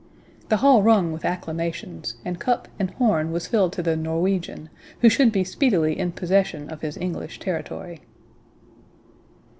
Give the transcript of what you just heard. "The hall rung with acclamations, and cup and horn was filled to the Norwegian, who should be speedily in possession of his English territory."